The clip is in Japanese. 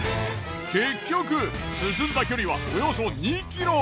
結局進んだ距離はおよそ２ｋｍ。